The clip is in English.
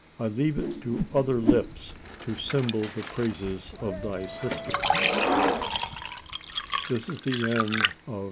I leave it to other lips to symbol the praises of thy sister The Wild Huntress.